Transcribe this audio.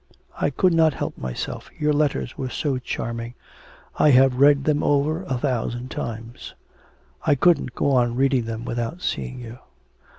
I could not help myself. Your letters were so charming. I have read them over a thousand times. I couldn't go on reading them without seeing you....